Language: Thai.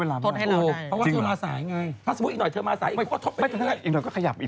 เพราะว่าเธอมาสายไง